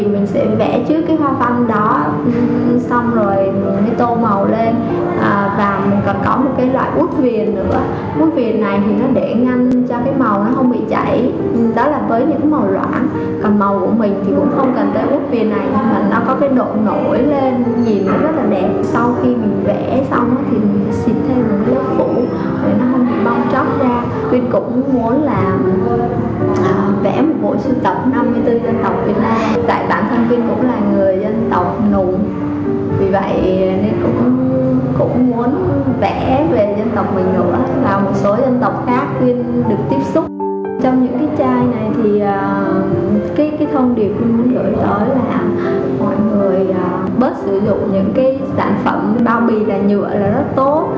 mọi người bớt sử dụng những cái sản phẩm bao bì là nhựa là rất tốt